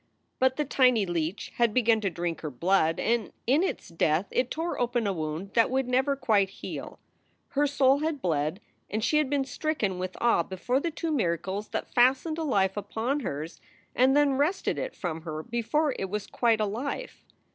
But the tiny leech had begun to drink her blood and in its death it tore open a wound that would never quite heal. Her soul had bled and she had been stricken with awe before the two miracles that fastened a life upon hers and then wrested it from her before it was quite a life.